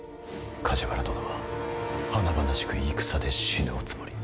梶原殿は華々しく戦で死ぬおつもり。